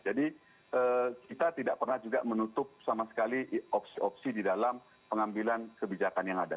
jadi kita tidak pernah juga menutup sama sekali opsi opsi di dalam pengambilan kebijakan yang ada